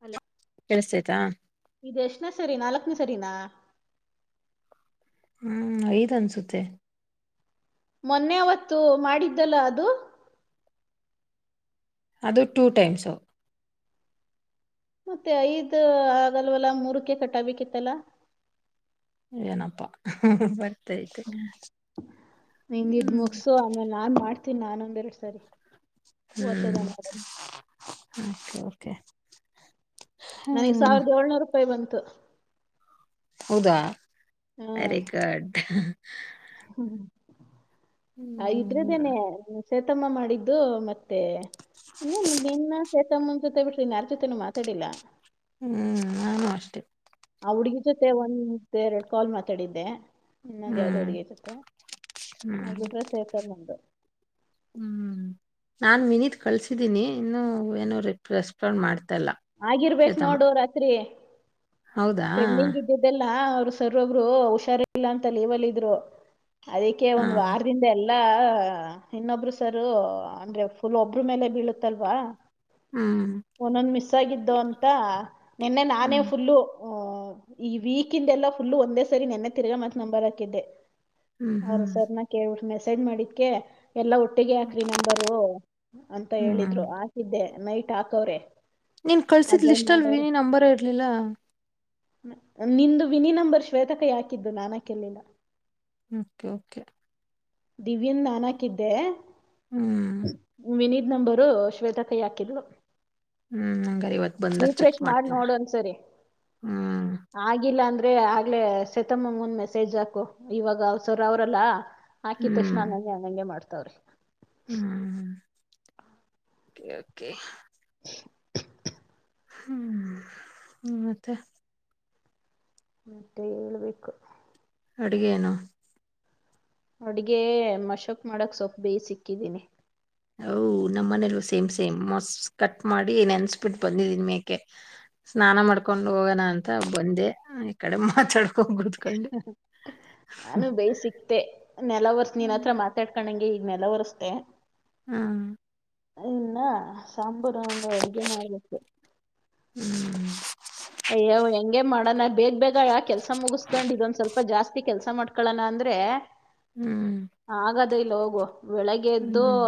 Hello. ಕೆಲ್ಸತಾ ಇತಾ. ಇದ ಎಷ್ಟನೇ ಸರಿ ನಾಲ್ಕ್ನ ಸರಿನಾ. ಹ್ಮ್ ಐದ್ ಅನ ಅನ್ಸುತ್ತೆ. ಮೊನ್ನೆ ಅವತ್ತು ಮಾಡಿದ್ದಲ್ಲ ಅದು. ಅದು ಟೂ ಟೈಮ್ಸು. ಮತ್ತೆ ಐದ ಆದಲ್ವಲ್ಲ ಮೂರುಕ್ಕೆ ಕಟ್ಟಾಬೇಕ ಇತ್ತಲ್ಲಾ. ಏನಪ್ಪಾ ಅಹ್ಹಹ್ ಬರ್. ಹ್ಮ ನಿಂಗ್ ಇದ್ ಹ್ಮ್ ಮುಗ್ಸು ಆಮೇಲೆ ನಾನ್ ಮಾಡ್. ಥಿನಾನ್ನೊಂನ್. ಹ್ಮ್ ನೋಡೋಣ ಮತ್ತೇ ಓಕೆ. ನನಿಗ್ ಹ್ಮ್ ಸಾವ್ರಿದಏಳ್ನೂರು ರೂಪಾಯಿ ಬಂತ್. ತ್ತು. ಹೌದಾ. ವೇರಿಗೂಡ್ ಅಹಹ್ಹ್. ಐದ್ರದೇನೆ. ಚೇತಮ್ಮ ಮಾಡಿದ್ದು ಮತ್ತೆ ನನ್ನು ದಿನ್ನಾ ಚೇತಮ್ಮನ ಜೊತೆ ಬಿಟ್ರಿ ಯಾರ ಜೊತೆನೂ ಮಾತಾಡಿಲ್ಲಾ. ಹ್ಮ್ ನಾನು ಅಷ್ಟೆ. ಹ ಹುಡ್ಗಿ ಜೊತೆ ಒಂದ ತ್ತೆರೆಡ ಕ್ವಾಲ್ ಮಾತಾಡಿದ್ದೆ. ಇನ್ನೊಂದು ಯಾವ್ದೋ ಹ್ಮ್ ಹುಡುಗಿ ಜೊತೆೆ ನ ಹ್ಮ್ ಬಿಟ್ರೆ ಸೇವತಲ್ ನಮ್ದು. ಹ್ಮ್ ನಾನ್ ವಿನೀತ್ ಕಳಸಿದ್ದೀನಿ ಇನ್ನು ಏನೋ ರಿಪ್ ರೆಸ್ಪಾಂಡ್ ಮಾಡ್. ಆಗಿರ್ಬೇಕ ನೋಡು ರಾತ್ರಿ. ಹೌದಾ. ಲ್ಲಾ ಅವ್ರ ಸರ್ ಒಬ್ರು ಹುಷಾರ ಇಲ್ಲಾ ಅಂತ ಲೆವಲ್ಲ ಇದ್ರು. ಅದಿಕ್ಕೆ ಹಾ ಒಂದ್ ವಾರದಿಂದ ಎಲ್. ಎಲ್ಲ ಇನ್ನೊಬ್ರು ಸರು ಅಂದ್ರೆ ಫುಲ್ ಒಬ್ರು ಮೇಲೆ ಬೀಳುತ್ತಲ್ವಾ. ಹ್ಮ್. ದ್ದೊಂತಾ ನಿನ್ನೆ ನಾನೇ ಹ್ಮ್ ಫುಲ್ಲು. ಹ ಈ ವೀಕಿಂದೆಲ್ಲಾ ಫುಲ್ ಒಂದೇ ಸರಿ ನೆನ್ನ ತಿರ್ಗಾ ಮತ್ ನಂಬರ್ ಹಾಕಿದ್ದೆ. ಹ್ಮ್ ಅವರು ಹ್ಮ್ ಸರ್ನ ಕೇಳ್ಬಿಟ್ಮೆ ತೆನ್ ಮಡಿಕ್ಕೆ ಎಲ್ಲ ಒಟ್ಟಿಗೆ ಹಾಕ್ರಿ ನಂಬರು ಅಂತ ಹ್ಮ್ ಹೇಳಿದ್ರು ಹಾಕಿದ್ದೆ. ನೖಟಾಕವ್ರೆ. ನೀನ್ ಕಳ್ಸಿದ್ ಲಿಸ್ಲಟ್ ವಿನಿ ನಂಬರೆ ಇರ್ಲಿಲ್ಲ. ನಿಂದು ವಿನಿ ನಂಬರ್ ಶ್ವೇತಕ ಯಾಕಿದ್ದು ನಾನಕಿರ್ಲಿಲ್ಲ. Okay okay. ದಿವ್ಯನ್ ನಾನಾಕಿದ್ದೆ ಹ್ಮ್ ವಿನಿದ್ ನಂಬರು ಶ್ವೇತಕ ಹಾಕಿದ್ಲು. ಹ್ಮ್ ಹಂಗಾರಿವತ್ತು ಬಂದಾಗ್ ಚೆಕ್ ಮಾಡ್ ನೋಡು ಮಾಡ್ತೀನಿರು ಒಂದ್ಸರಿ ಹ್ಮ್. ಬೆ ಆಗ್ಲೇ ಸೆತಮ್ಮಂಗೊಂದ್ ಮೆಸೇಜ್ ಹಾಕು ಇವಾಗ ಸರ್ ಅವ್ರಲ್ಲಾ ಹಾಕಿದ್ತಕ್ಷಣ ಹ್ಮ್ ಹಂಗಂಗೆ ಹಂಗಂಗೆ ಮಾಡು. [unintelligible] ಹ್ಮ್ ಓಕೆ ಕೆ. ಹ್ಮ್ ಮತ್ತೆ. ಮತ್ತೆ ಹೇಳ್ಬೇಕು. ಅಡುಗೆೇಯೇನು? ಅಡ್ಗೆ ಮಸ್ಸೊಪ್ ಮಾಡಕ್ ಸೊಪ್ ಬೇಯ್ಸಿಕ್ಕಿದೀನಿ. ಹವ್ ನಮ್ಮ ಮನೇಲ್ಲು ಸೇಮ್ ಸೇಮ್ ಮಸ್ ಕಟ್ ಮಾಡಿ ನೆನ್ಸ್ಬಿಟ್ಟು ಬಂದಿದ್ದಿನ್ ಮೇಕೆ ಸ್ನಾನ ಮಾಡ್ಕೊಂಡು ಹೋಗನ ಅಂತ ಬಂದೆ ಈ ಕಡೆ ಮಾತಾಡ್ ನಾನು ಬೇಯ್ಸಿಕ್ದೆ ನೆಲ್ಲ ಒರ್ಸ್ ನೀನ್ ಹ್ಮ್ ಹತ್ರ ಮಾತಾಡ್ಕೊಂಡಂಗೆ ನೆಲ ಒರ್ಸ್ದೆ. ಹಾ ಇನ್ನ ಸಾಂಬು ತೋಂಡು ಅಡಿಗೆ ಮಾಡ್ಬೇಕು. ಅಯ್ಯೋ ಹೆಂಗೆ ಮಾಡನ ಬೇಗ್ಬೇಗ್ [unintelligible] ಕೆಲಸ ಮುಗಸ್ಕೊಂಡು ಇದೊಂದು ಸ್ವಲ್ಪ ಜಾಸ್ ತಿ ಕೆಲ್ಸ ಮಾಡ್ಕೊಳೋಣ ಅಂದ್ರೆ ಹ್ಮ್ ಹಾಗ ತ್ತೊ ಇಲ್ಲೋಗೋ. ಬೆಳಗ್ಗೆ ಎದ್ದು ಹ್ಮ್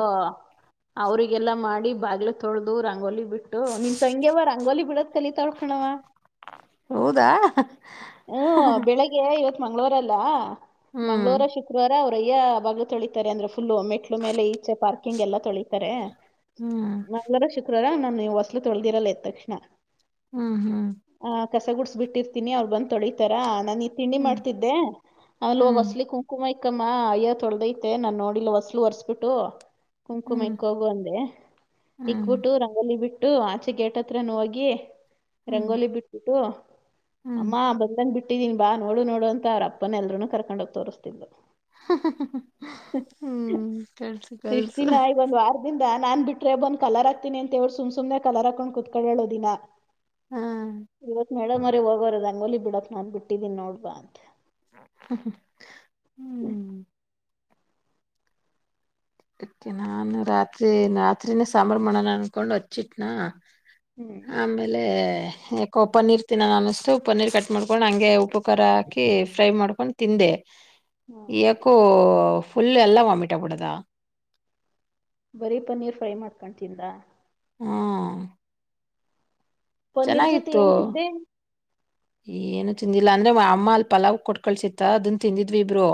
ಅವ್ರಿಗೆಲ್ಲಾ ಮಾಡಿ ಬಾಗ್ಲು ತೊಳ್ದು ರಂಗೋಲಿ ಬಿಟ್ಟು ನಿನ್ತ್ಂಗ್ಯವ ರಂಗೋಲಿ ಬಿಡದ ಕಲಿತಾಳ್ಕಣವ. ಹೌದಾ? ಮಂಗಳವಾರಲ್ಲ ಹ್ಮ್ ಮಂಗ್ಳವಾರ ಶುಕ್ರವಾರ ಅವರ್ ಯಾ ಬಾಗಲ್ತೊಳಿತಾರೆ ಅಂದ್ರೆ ಫುಲ್ಲು ಮೆಟ್ಲು ಮೇಲೆ ಈಚೆ ಪಾರ್ಕಿಂಗ್ ಎಲ್ಲ ತೊಳೀತಾರೆ. ಹ್ಮ್ ಮಂಗ್ಳಾರ ಶು ನಾನ್ ನೀವು ಹೊಸಲು ತೊಳ್ದಿರಲ್ಲ ಎದ್ ತಕ್ಷಣ. ಹ್ಮ್ ಹ್ಮ್ ಕಸ ಗುಡ್ಸ ಬಿಟ್ಟಿರ್ತೀನಿ ಅವ್ರು ಬಂದ್ತೊಳಿತಾರ. ನ ಇಲ್ ತಿಂಡಿ ಹ್ಮ್ ಮಾಡ್ತಿದ್ದೆ ಆಲ್ಲೋಗ್ ಹ್ಮ್ ಒಸಲಿಗೆ ಕುಂಕುಮ ಇ ಇಕಮ್ಮ ಅಯ್ಯ ತೊಳದೈತೆ ನಾನ್ ನೋಡಿಲ್ಲ ಹೊಸ್ಲು ಒರ್ಸ್ಬಿಟ್ಟು ಕುಂಕುಮ ಹ್ಮ್ ಇಕ್ಕೋಗು ಅಂದೆ ಹ್ಮ್ ಇಕ್ಬಿಟ್ಟು ರಂಗಲಿ ಬಿಟ್ಟ್ ಬಿಟ್ಟು ಆಚೆ ಗೇಟ್ ಹತ್ರನ ಹೋಗಿ ಹ್ಮ್ ರಂಗೋಲಿ ಬಿಟ್ಬಿಟ್ಟು ಹ್ಮ್ ಅಮ್ಮ ಬಂದಂಗ್ಬಿಟ್ ಇಟ್ಟಿದೀನ್ ಬಾ ನೋಡು ನೋಡು ಅಂತ ಅವ್ರಪ್ಪನ ಎಲ್ಲರುನು ಕರ್ಕೊಂಡೋಗ್ ತೋರಿಸ್ತಿದ್ಲು. ಹ್ಮ್ ಕಲ್ಸು ಕಲ್ಸು. ದ ನಾನ್ ಬಿಟ್ರೆ ಬಂದ್ ಕಲರ್ ಆಗ್ತೀನಿ ಅಂತೋಳ್ ಸುಮ್ಸುಮ್ನೆ ಕಲರ್ ಹಾಕೊಂಡ್ ಕುತ್ಕೊಳ್ಳೋಳು ದಿನ. ಹಾ ಇವತ್ ಮೇಡಮೋರೆ ಹೋಗೋರೆ ರಂಗೋಲಿ ಬಿಡಕ್ ನಾನು ಬಿಟ್ಟಿದ್ದೀನಿ ನೋಡ್ಬಾ ಅಂತ ಹ್ಮ್ ಅದ್ಕೆ ನಾನು ರಾತ್ರಿ ರಾತ್ರಿನೆ ಸಾಂಬಾರ್ಮಾಡನ ಅನ್ಕೊಂಡ್ ಹಚ್ಚಿಟ್ನಾ. ಹ್ಮ್ ಆಮೇಲೆ ಯಾಕೋ ಪನ್ನೀರ್ ತಿನ್ನನ ಅನ್ನಿಸ್ತು ಪನ್ನೀರ್ ಕಟ್ ಮಾಡ್ಕೊಂಡ್ ಹಂಗೆ ಉಪ್ ಪು ಕಾರ ಹಾಕಿ ಫ್ರೈ ಮಾಡ್ಕೊಂಡು ತಿಂದೆ. ಹಾ ಯಾಕೋ ಫುಲ್ ಎಲ್ಲ ವಾಮಿಟಾಗ್ಬುಡದ. ಬರೀ ಪನೀರ್ ಫ್ರೈ ಮಾಡ್ಕೊಂಡ್ತಿಂದ. ಹ್ಮ ಪನ್ನೀರ್ ಜೊತೆ ಏನ್ ತಿಂದೆ? ಏನು ತಿಂದಿಲ್ಲ, ಅಂದ್ರೆ ಅಮ್ಮ ಅಲ್ಲ್ ಪಲಾವ್ ಕೊಟ್ಕಳ್ಸಿತ್ತ ಅದನ್ ತಿಂದಿದ್ವಿ ಇಬ್ರು.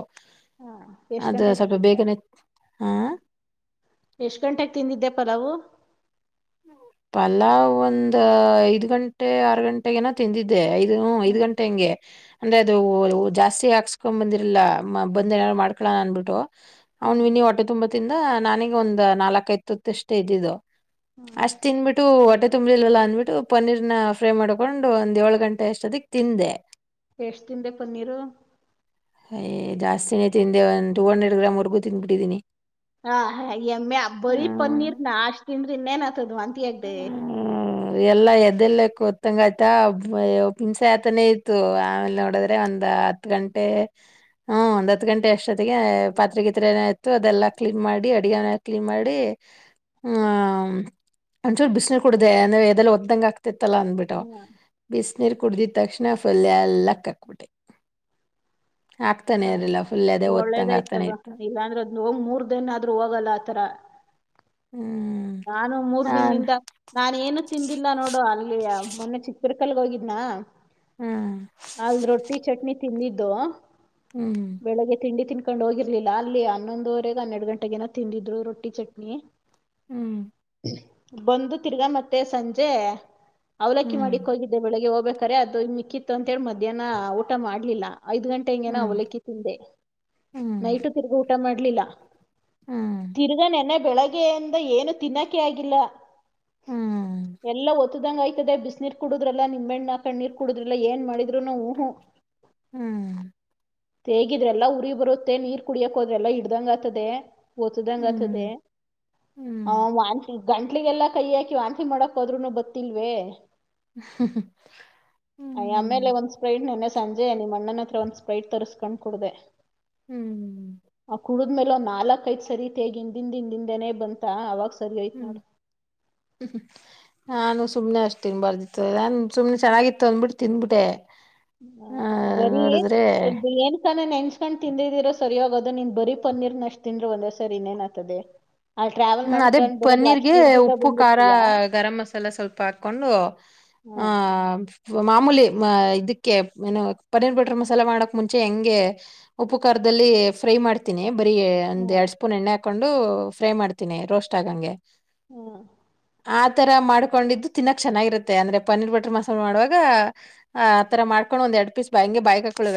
ಹಾ ಎಷ್ಟ್ ಅದು ಗಂಟೆಗೆ ಸ್ವಲ್ಪ ತಿಂದಿದ್ರಾ ಬೇಗನೆ ಹಾ ಎಷ್ಟ್ ಗಂಟೆಗೆ ತಿಂದಿದ್ದೆ ಪಲಾವು? ಪಲಾವ್ ಒಂದು ಐದ್ ಗಂಟೆ ಆರು ಗಂಟೆಗನ ತಿಂದಿದ್ದೆ ಐ ಹ ಹ್ಮ್ ಐದ್ಗಂಟೆ ಹಂಗೆ. ಅಂದ್ರೆ ಅದು ಜಾಸ್ತಿ ಹಾಕ್ಸ್ಕೊಂಡ್ ಬಂದಿರ್ಲಿಲ ಬಂದೇನಾರು ಮಾಡ್ಕೊಳನ ಅನ್ಬಿಟ್ಟು. ಅವನ್ ಹ್ಮ್ ವಿನಿ ಹೊಟ್ಟೆ ತುಂಬಾ ತಿಂದ ನನಗ ಒಂದ್ ನಾಲ್ಕೖದ್ ತುತ್ತಷ್ಟೆ ಇದ್ದಿದು. ಹ್ಮ್ ಅಷ್ಟ್ ತಿಃದ್ಬಿಟ್ಟು ಹೊಟ್ಟೆ ತುಂಬಲಿಲ್ವಲ್ಲ ಅಂದ್ಬಿಟ್ಟು ಪನ್ನೀರ್ನ ಫ್ರೈ ಮಾಡ್ಕೊಂಡು ಒಂದ್ ಏಳು ಗಂಟೆ ಅಷ್ಟೊತ್ತಿಗ್ ತಿಂದೆ. ಎಷ್ಟ್ ತಿಂದೆ ಪನ್ನೀರು? ಏ ಜಾಸ್ತಿನೇ ತಿಂದೆ ಒಂದು ಟೂ ಹಂಡ್ರೆಡ್ ಗ್ರಾಮ್ವರೆಗೂ ತಿಂದ್ಬಿಟ್ಟಿದ್ದೀನಿ. ಹಾ ಹಾ ಎಮ್ಮೆ ಬರೀ ಹ್ಮ್ ಪನ್ನೀರ್ನ ಅಷ್ಟ್ ತಿಂದ್ರೆ ಇನ್ನೇನಾಗುತ್ ತದು ವಾಂತಿ ಆಗ್ದೆ. ಹ್ಮ ಎಲ್ಲಾ ಎದೆಲೆ ಕುತ್ತಂಗ್ ಆಯ್ತ ಹಿಂಸೆ ಆತಾನೇ ಇತ್ತು ಆಮೇಲೆ ನೋಡಿದ್ರೆ ಒಂದ್ ಹತ್ ಗಂಟೆ ಹ್ಮ್ ಒಂದ್ ಹತ್ ಗಂಟೆ ಅಷ್ಟೊತ್ತಿಗೆ ಪಾತ್ರಿಗೀತ್ರೆನೊ ಇತ್ತು ಅದೆಲ್ಲಾ ಕ್ಲೀನ್ ಮಾಡಿ ಅಡಗೆಮನೆ ಕ್ಲೀನ್ ಮಾಡಿ ಹ್ಮ್ ಒಂಚೂರು ಬಿಸ್ನೀರ್ ಕುಡ್ದೆ ಅದೆ ಎದೆಲ್ ಒತ್ತಂಗ್ ಆಗ್ತಿತ್ ತಲ್ಲ ಅಂದ್ಬಿಟ್ಟು ಹ್ಮ್ ಬಿಸ್ ನೀರ್ ಕುಡಿದಿದ್ತಕ್ಷಣ ಫುಲ್ ಎಲ್ಲ ಕ್ಕಕ್ಬಿಟ್ಟೆ. ಹ ಆಗ್ತಾನೆ ಒಳ್ಳೇದಾಯ್ತತಗ ಇತ್ತು ಇಲ್ಲಾ ಅಂದ್ರೆ ಹೋಗ್ ಮೂರ್ ದಿನ ಆದ್ರೂ ಹೋಗಲ್ಲ ಆತರ. ಹ್ಮ್ ನಾನು ಮೂರ್ ಹಾ ದಿನ್ದಿಂದ ನಾನೇನು ತಿಂದಿಲ್ಲ ನೋಡು ಅಲ್ಲಿ ಆ ಮೊನ್ನೆ ಚಿತ್ತೂರ್ಕಲ್ಗ್ ಹೋಗಿದ್ನ. ಹ್ಮ್ ಅಲ್ ರೊಟ್ಟಿ ಚಟ್ನಿ ತಿಂದಿದ್ದು. ಹ್ಮ್ ಬೆಳಿಗ್ಗೆ ತಿಂಡಿ ತಿನ್ಕ ಕೊಂಡ್ ಹೋಗಿರ್ಲಿಲ್ಲ ಅಲ್ಲಿ ಹನ್ನೊಂದುವರೆಗೆ ಹನ್ನೆರಡ್ಗಂಟೆಗೇನ ತಿಂದಿದ್ರು ರೊಟ್ಟಿ ಚಟ್ನಿ. ಹ್ಮ್ ಬಂದು ತಿರ್ಗಾ ಮತ್ತೆ ಸಂಜೆ ಅವಲಕ್ಕಿ ಹ್ಮ್ ಮಾಡಿಕ್ ಹೋಗಿದ್ದೆ ಬೆಳಗ್ಗೆ ಹೋಗ್ಬೇಕು ಖರೆ ಅದು ಮಿಕ್ಕಿತ್ತು ಅಂತೇಳಿ ಮಧ್ಯಾಹ್ನ ಊಟ ಮಾಡ್ಲಿಲ್ಲ. ಐದ್ ಗಂಟೆ ಹಿಂಗೆನ ಹ್ಮ್ ಅವಲಕ್ಕಿ ತಿಂದೆ ಹ್ಮ್ ಹ್ಮ್ ನೈಟು ತಿರುಗ್ ಊಟ ಮಾಡ್ಲಿಲ್ಲ. ಹ್ಮ್ ತಿರ್ಗ ನೆನ್ನೆ ಬೆಳಗ್ಗೆಯಿಂದ ಏನು ತಿನ್ನಕ್ಕೆ ಆಗಿಲ್ಲ. ಹ್ಮ್ ಎಲ್ಲ ಒ. ಒತ್ತದಂಗಗೆ ಆಯತದೆ ಬಿಸಿನೀರ್ ಕುಡುದ್ರಲ್ಲ ನಿಂಬೆಣ್ಣಾ ಕಣ್ಣೀರ್ ಕುಡುದ್ರಿಲ್ಲ ಏನ್ ಮಾಡಿದ್ರೂನು ಉಹು. ಹ್ಮ್. ತೇಗಿದ್ರೆಲ್ಲ ಉಊರಿ ಬರುತ್ತೆ ನೀರ್ ಕುಡಿಯಕೋದ್ರೆಲ್ಲಾ ಹಿಡ್ದಂಗ ಆತದೆ. ಒತ್ತುದಂಗತದೆ. ಹ ಹ್ಮ್ ವಾಂತಿ. ಗಂಟ್ಲೆಗೆಲ್ಲ ಕೈ ಹಾಕಿ ವಾಂತಿ ಮಾಡಕ್ ಹೋದ್ರುನು ಬತ್ತಿಲ್ಲವೇ. ಅಯ್ಯ ಆಮೇಲೆ ಒಂದ್ ಸ್ಪ್ರೈಟ್ ನೆನ್ನೆ ಹ್ಮ್. ಸಂಜೆ ನಿಮ್ಮ ಅಣ್ಣನ ಹತ್ರ ಒಂದ್ ಸ್ಪ್ರೈಟ್ ತರಿಸ್ಕೊಂಡ್ ಕುಡಿದೆ. ಹ್ಮ್ ಹ್ಮ್. ಕುಡುದ್ಮೇಲೆ ಮೇಲೆ ನಾಲ್ಕ ಐ ಸರಿತಿ ತೇಗ ಹಿಂದ ಹಿಂದಿಂದನೆ ಬಂದ. ಅವಾಗ. [unintelligible] ಹ್ಮ್ ನೋಡು ಹ. ಸುಮ್ಮನೆ ಅಷ್ಟು ತಿನ್ಬಾರದಿತ್ತು ನಾನು ಸುಮ್ಮನೆ ಚೆನ್ನಾಗಿತ್ತು ಅಂದ್ಬಿಟ್ಟು ತಿಂದುಬಿಟ್ಟೆ. ಹ ಬರೀ ಏನ್ ಕನ ನೆನ್ಸ್ಕೊಂಡ್ ತಿಂದಿದಿರೋ. ಸರಿಯವಾಗದ ನೀನ್ ಬರೀ ಪನ್ನೀರ್ ನಷ್ಟ್ ತಿಂದ್ರೆ ಒಂದ್ ಸರಿ ಇನ್ನೇನ್ ಆತದೆ. ಹ್ಮ್ ಅದೇ ಪನ್ನೀರಿಗೆ ಉಪ್ಪು ಖಾರ ಬಂದಿರ್ತೀಯಾ ಗರಂ ಮಸಾಲ ಸ್ವಲ್ಪ ಹಾಕೊಂಡು ಆ. ಹ್ಮ್ ಮಾಮೂಲಿ ಇದಕ್ಕೆ ಏನು ಪನೀರ್ ಬಟರ್ ಮಸಾಲೆ ಮಾಡಕ್ ಮುಂಚೆ ಹೆಂಗೆ ಉಪ್ಪು ಕಾರದಲ್ಲಿ ಫ್ರೈ ಮಾಡ್ತೀನಿ ಬರೀ ಒಂದ್ ಹ್ಮ್ ಎರಡ್ ಸ್ಪೂನ್ ಎಣ್ಣೆ ಹಾಕೊಂಡು ಫ್ರೈ ಮಾಡ್ತ. ನ ರೋಸ್ಟ್ ಆಗಂಗೆ. ಹ್ಮ. ಆತರ ಮಾಡ್ಕೊಂಡಿದ್ದು ತಿನ್ನಾಕ್ ಚೆನ್ನಾಗಿರುತ್ತೆ ಅಂದ್ರೆ ಪನ್ನೀರ್ ಬಟರ್ ಮಸಾಲೆ ಮಾಡುವಾಗ ಆ ತರ ಮಾಡ್ಕೊಂಡು ಒಂದ್ ಎರಡ್ ಪೀಸ್ ಬಾಯಿಗೆ ಬಾಯಕ್ ಹಾಕಳೆ.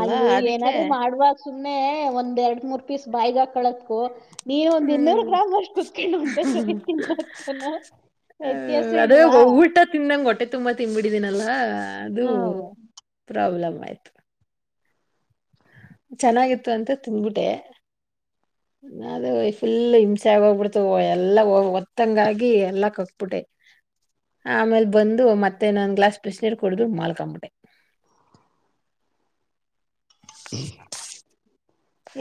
ಆದು ಏನಾದ್ರು ಮಾಡುವಾಗ ಸುಮ್ನೆ ಒಂದ್ ಎರಡ್ ಮೂರ್ ಪೀಸ್ ಬಾಯಗ ಹಾಕು. ಕಳತ್ಕು. [unintelligible] ಹ್ಮ್ ಸರಿ ಹ ತಿನ್ನೋದ್ಕುನು ವ್ಯತ್ಯಾಸ ಅದೇ ಇಲ್ವಾ ಊಟ ತಿಿಂದಂಗ ಹೊಟ್ಟೆ ತುಂಬಾ ತಿನ್ನಿಟ್ಟಿದ್ದೀನಿ ಅದು ಹ್ಮ್ ಪ್ರಾಬ್ಲಮ್. ಆಯ್ತ್. ಚೆನ್ನಾಗಿತ್ತು ಅಂತ ತಿನ್ಬಿಟ್ಟೆ ಅದು ಫುಲ್ ಹಿಂಸೆ ಆಗಿ ಹೋಗ್ಬಿಡ್ತು ಎಲ್ಲಾ ಒತ್ತಂಗಾಗಿ ಎಲ್ಲಾ ಕಕ್ಬಿಟ್ಟೆ ಆಮೇಲ್ ಬಂದು ಮತ್ತೆ ಇನ್ನೊಂದ್ ಗ್ಲಾಸ್ ಬಿಸಿನೀರು ಕುಡಿದ ಮಾಲ್ಕಂಬಿಟ್ಟೆ. [inaudible]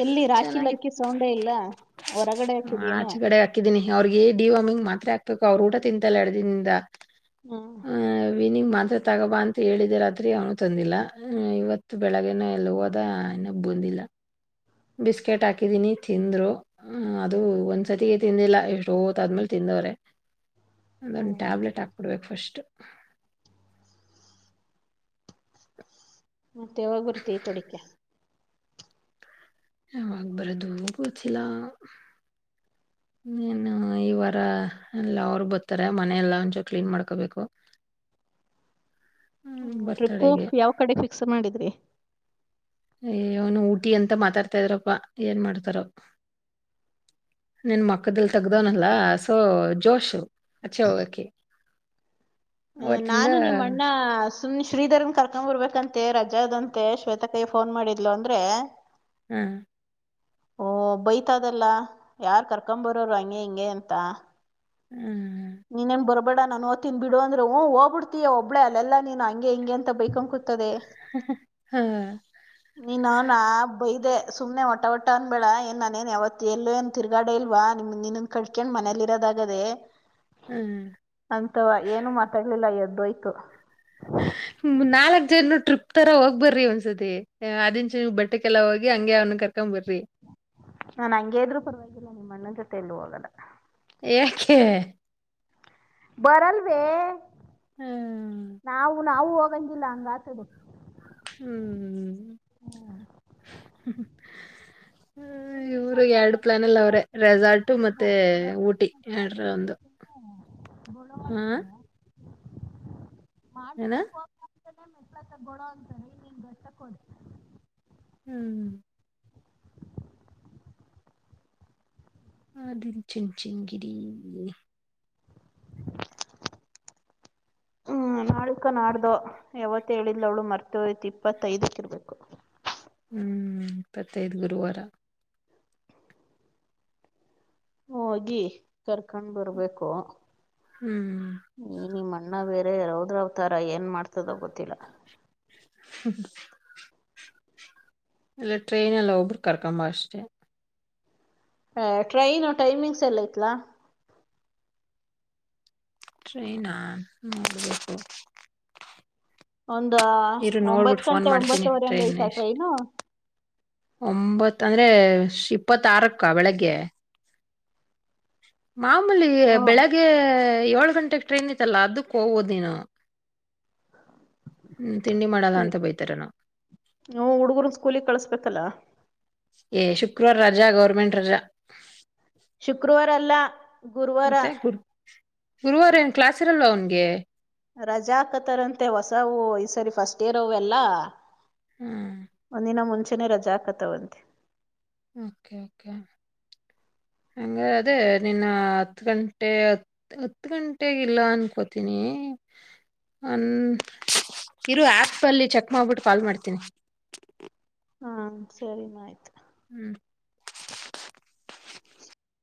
ಎಲ್ಲಿ ರಾಖಿ ಚೆನ್ನಾಗಿತ್ತು ಲಕ್ಕಿ ಸೌಂಡೆ ಇಲ್ಲ ಹೊರಗಡೆ ಹಾಕಿದ್ದೇನು. ಅವ್ರಿಗೆೇ ಡಿವಾರ್ಮಿಂಗ್ ಮಾತ್ರೆ ಹಾಕ್ಬೇಕು ಅವ್ರರು ಊಟ ತಿಂತಿಲ್ಲ ಎರಡು ದಿನದಿಂದ. ಹ್ಮ್ ಹ ವಿನಿಗ್ ಮತ್ತ. ಮಾತ್ರೆ ತಗೋಬಾ ಅಂತ ಹೇಳಿದ್ದ ರಾತ್ರಿ ಅವನು ತಂದಿಲ್ಲ ಇವತ್ತು ಬೆಳಗ್ಗೆನ ಎಲ್ಲಿ ಹೋದ ಇನ ಬಂದಿಲ್ಲ. ಬಿಸ್ಕೆಟ್ ಹಾಕಿದೀನಿ ತಿಂದ್ರು ಅದು ಒಂದ್ಸತಿಗೆ ತಿಂದಿಲ್ಲ ಎಷ್ಟು ಒತ್ತುದ್ಮೇಲೆ ತಿಂದವ್ರೆ. ಅಂದೊಂದ ಹ್ಮ್ ಟ್ಯಾಬ್ಲೆಟ್ ಹಾಕ್ಬೊಡ್ಬೇಕು ಫಸ್ಟ್. [inaudible] ಮತ್ತೆ ಯಾವಾಗ ಬರ್ತಿ ಈ ಕಡಿಕ್ಕೆ. ಯಾವಾಗ್ ಬರದು ಗೊಥಿಲ್ಲಾ ನೀನು ಈ ವಾರಾ ಎಲ್ಲಾ ಅವರು ಬರ್ತಾರೆ ಮನೇ ಎಲ್ಲಾ ಒಂನ್ ಚೂರ ಕ್ಲೀನ್ ಮಾಡ್ಕೋಬೇಕು. ಹ್ಹ ಟ್ರಿಪ್ಪು ಬರ್ತಡೆಗೆ ಯಾವ ಕಡೆಕ ಫಿಕ್ಸ್ ಮಾಡಿದ್ರಿ. ಏ ಅವನು ಊಟಿ ಅಂತ ಮಾತಾಡ್ತಾ ಇದ್ರಪ್ಪಾ ಏನ್ ಮಾಡ್ತಾರೊ ನಿನ್ ಮಕ್ಕದಲ್ಲಿ ತಗ್ದವನಲ್ಲ ಅಸೊ ಜೋಶು ಅಚ್ಚೆ ಹೋಗಕ್ಕೆ. ಅ ಅವತ್ತಿಂದ ನಾನು ನಿಮ್ಮ ಅಣ್ಣಾಸ್. ಸುಮ್ನ ಶ್ರೀಧರರ್ನ್ ಕರ್ಕೊ ಬರ್ಬೇಕ ಅಂತೆ ರಜ ಇದಂತೆ ಶ್ವೇತಕೈ ಫೋನ್ ಮಾಡಿದ್ಲು ಅಂದ್ರೆ. ಹ್ಮ. ಓ ಬೈತಾದಲ್ಲಾ ಯಾರ್ ಕರ್ಕೊ ಬರೋರು ಹಂಗೆ ಹಿಂಗೆ ಅಂತಾ. ನೀನೆಂಮ್ ಬರೋಬ್. ಬೇಡಾ ನಾನು ಥಿನ್ ಬಿಡೊ ಅಂದ್ರೆ ಹ್ಹೂ ಹೋಗ್ಬಬಿಡ್ತೀಯ ಒಬ್ಳ ಅಲ್ಲೆಲ್ಲ ನೀನು ಹಂಗೆ ಹಿಂಗೆ ಅಂತ ಬೇಕೊನಕುತ್ತದೆ. ಹಹ್ಹ್ ಹಅ. ನೀನ ಅವ್ನಾ ಬೈದೆ ಸುಮ್ನೆ ಒಟ್ಟ ಒಟ್ಟ ಅನ್ಬೇಡಾ ಏನ್ ನಾನೇನ್ ಯವತ್ತ ಎಲ್ಲೂ ಏನ ಥಿರುಗಾಡೆ ಇಲ್ವಾ ನಿಮ್ ನೀನ್ನನ್ ಕಳ್ಕಂಡ್ ಮನೇಯಲ್ಲಿ ಇರೋದಾಗದೆೇ. ಅಂಥವಾ ಏನು ಮಾತಾಡ್ಲಿಲ್ಲ ಎದ್. ರೈತು. ಹ್ಮ್ ನಾಲ್ಕ್ ಜನ್ರು ಟ್ರಿಪ್ ತ್ತರಾ ಹೋಗ್ ಬರ್ರಿ ಒಂದ್ಸತಿ ಆ್ಯ ಅದಿನ್ಚೆ ನೀವು ಬಟ್ಟೆಕ್ಕೆಲ್ಲಾ ಹೋಗಿ ಹಂಗೆ ಅವ್ನ ಕರ್ಕೊಬ್ ಬರಿ. ನಾ ನಂಗೆ ಇದ್ರು ಪರವಾಗಿಲ್ಲಾ ನಿಮ್ಮ ಅಣ್ಣೊದ ಜೊತೆ. ತ್ತೇಲ್ಲು ಹೊಗಲ್ಲ. ಆ್ಯಹಖೇ. ಬರಲ್‌ಬೇ. ಹ್ಮ್. ನಾವು. ನಾವು ಹೋಗಂಗ ಇಲ್ಲಾ ಹಂಗ ಆತದೆ. ಹ್ಮ್. ಹ ಈ ಊರಿಗ ಎರಡು ಪ್ಲ್ಯಾನಲ್ಲ ಅವ್ರೆ ರೆಝಾರ್ಟು ಮತ್ತೆ ಊಟಿ ಯ್ಯಾಡ್ರ ಒಂದು ಅಆ. ಮಾಡಿಮೇರ್ [unintelligible] [unintelligible] ಹ್ ಹ್ಮ್. ಆ ಧೀರಿ ಚಿನ್ ಚಿಂಗ್ ಗೀರಿ ಎಹ್ಯೆ. ಹ್ಮ್ ನಾಳಿಕ್ಕ ನಾಡ್ದೊ ಯವತ್ತೇ ಹೆಳಿದ್ಲು ಅವಳು ಮರ್ತ ಹೋಯಿತು ಇಪ್ಪತ್ತೈದಕ್ಕ ಇರ್ಬೇಕು. ಹ್ಮ್ ಇಪ್ಪತ್ತೈದ ಗುರುವಾರಾ. ಹೋಗಿ ಕರ್ಕೊಂಡ್ ಬರ್ಬೇಕು. ಹ್ಮ್ ನೀ ನೀಮ್ ಅಣ್ಣಾ ಬೇರ್. ಲೇ ರೌದ್ರಾ ಅವತಾರಾ ಏನ್ ಮಾಡ್ತದೋ ಗೊತ್ತಿಲ್ಲಾ. [unintelligible] ಇಲ್ಲ ಟ್ರೈನ್ ಇಲ್ಲ ಒಬ್ರು ಕರ್ಕೊಂಡ್ ಬಾ ಅಷ್ಟೆ. ಹೇ ಟ್ರೈನು ಟೈಮಿಂಗ್ಸ್ ಎಲ್ಲೈತ್ಲ. ಟ್ರೈನಾ ನೋಡ್ಬೇಕು. ಒಂದ ಇರು ಒಂಬತ್ ನೋಡ್ಬಿಟ್ಟು ಫೋನ್ ಗಂಟೆ ಮಾಡ್ತೀನಿ ಒಂಬತ್ತುವರೆ ಹಂಗ ಟ್ರೈನ್ ಐತಾ ಎಷ್ಟ್ ಟ್ರೈನು. ಒಂಬತ್ ಅಂದ್ರೆ ಷ್ ಇಪ್ಪತ್ತಾರಕ್ಕಾ ಬೆಳಗ್ಗೆ. [inaudible] ಮಾಮೂಲಿ ಬೆಳಗ್ಗೆ ಏಳು ಗಂಟೆಗ ಟ್ರೈನ್ ಇತ್ತಲ್ಲ ಅದಕ್ಕ ಹೋಗೋದ ನೀನು. ಹ್ಮ್ ತಿಂಡಿ ಮಾಡಲ್ಲ ಹ್ಮು ಅಂತ ಬೈತಾರೇನೋ [unintelligible] ಹುಡುಗರ್ ಸ್ಕೂಲಿಗ್ ಕಳಸ್ಬೇಕಲ್ಲ. ಎ ಶುಕ್ರವಾರ ರಜಾ ಗೌರ್ಮೆಂಟ್ ರಜಾ. ಶುಕ್ರವಾರ ಅಲ್ಲ ಗುರುವಾರ. ಮತ್ತೆ ಗುರು ಗುರುವಾರ ಏನ್ ಕ್ಲಾಸ್ ಇರಲ್ಲ ಅವನ್ಗೆ. ರಜಾ ಹಕತಾರಂತೆ ಹೊಸವು ಈ ಸರಿ ಫಸ್ಟೇರ್ ಅವೆಲ್ಲಾ. ಹ್ಮ್ ಒಂದಿನ ಮುಂಚೆ ನೆ ರಜಾ ಹಾಕತವಂತೆ. ಓಕೆ ಓಕೆ ಹಂಗ ಅದೇ ನಿನ್ನ ಹತ್ತು ಗಂಟೆ ಹತ್ತ ಗಂಟೆಗಿಲ್ಲ ಅನ್ಕೋತೀನಿ ಅನ್ನ ಇರು ಆ್ಯಪಲ್ಲಿ ಚೆಕ್ ಮಾಡ್ಬಿಟ್ಟು ಕಾಲ್ ಮಾಡ್ತೀನಿ. ಹಾ ಸರಿ ನಾಯ್ತು. ಹ್ಮು [inaudible]